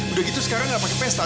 udah gitu sekarang gak pake pesta